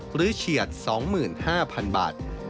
หรือเฉียด๒๕๐๐๐บาท